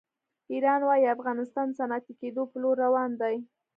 ایران وایي افغانستان د صنعتي کېدو په لور روان دی.